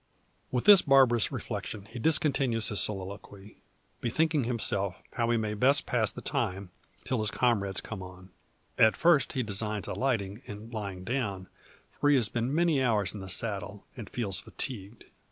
With this barbarous reflection he discontinues his soliloquy, bethinking himself, how he may best pass the time till his comrades come on. At first he designs alighting, and lying down: for he has been many hours in the saddle, and feels fatigued.